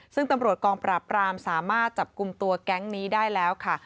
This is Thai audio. ซึ่งตำรวจกองปราบรามสามารถจับกลุ่มตัวแก๊งนี้ได้แล้วค่ะ